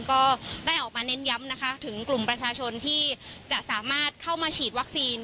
ก็ได้ออกมาเน้นย้ำนะคะถึงกลุ่มประชาชนที่จะสามารถเข้ามาฉีดวัคซีน